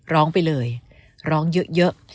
ร้องไปเลยร้องเยอะ